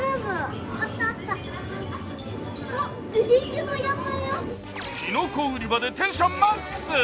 きのこ売場でテンションマックス！